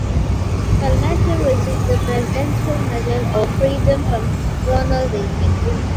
Perlmutter received the Presidential Medal of Freedom from Ronald Reagan.